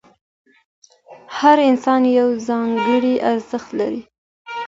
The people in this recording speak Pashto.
هر انسان یو ځانګړی ارزښت لري.